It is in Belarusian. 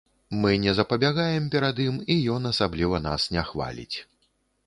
Мы не запабягаем перад ім і ён асабліва нас не хваліць.